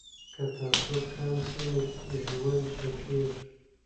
که تعصب کم سي نو ژوند ښه کیږي.